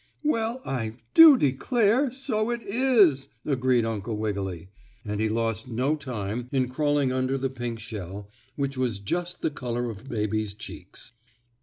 "Well, I do declare so it is!" agreed Uncle Wiggily, and he lost no time in crawling under the pink shell which was just the color of baby's cheeks.